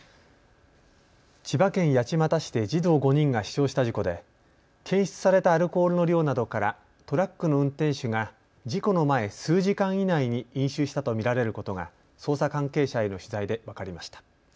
千葉県八街市で児童５人が死傷した事故で検出されたアルコールの量などから、トラックの運転手が事故の前、数時間以内に飲酒したと見られることが捜査関係者への取材で分かりました。